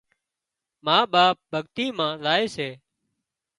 ما ٻاپ ڀڳتي مان زائي سي